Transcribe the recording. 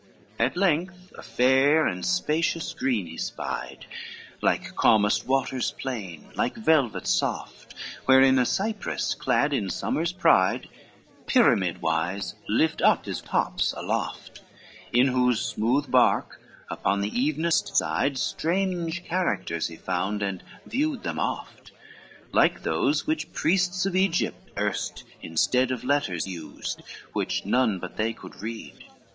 XXXVIII At length a fair and spacious green he spied, Like calmest waters, plain, like velvet, soft, Wherein a cypress clad in summer's pride, Pyramid wise, lift up his tops aloft; In whose smooth bark upon the evenest side, Strange characters he found, and viewed them oft, Like those which priests of Egypt erst instead Of letters used, which none but they could read.